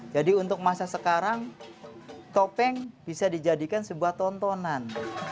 jadi untuk masa sekarang topeng bisa dijadikan sebuah tontonan